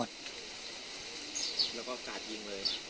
แล้วก็กาดยิงเลย